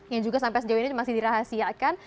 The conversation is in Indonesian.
yang juga sampai sejauh ini masih dirahasiakan